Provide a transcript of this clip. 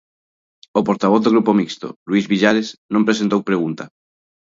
O portavoz do Grupo Mixto Luís Villares non presentou pregunta.